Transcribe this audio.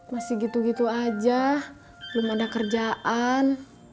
masih gitu gitu aja belum ada kerjaan